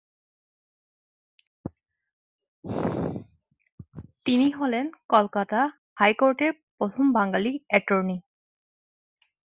তিনি হলেন কলকাতা হাইকোর্টের প্রথম বাঙালি এটর্নি